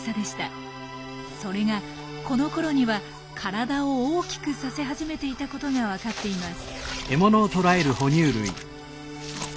それがこのころには体を大きくさせ始めていたことが分かっています。